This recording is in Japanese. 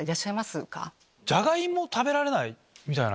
ジャガイモ食べられないみたいな人。